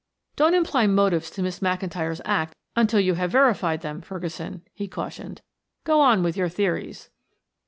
"Don't imply motives to Miss McIntyre's act until you have verified them, Ferguson," he cautioned. "Go on with your theories."